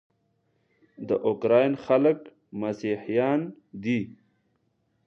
د اوکراین خلک مسیحیان دي.